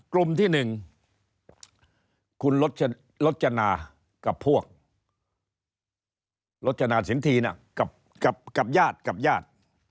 กลุ่มที่หนึ่งคุณรถชนากับพวกรถชนาสินทีน่ะกับย่าดกับย่าด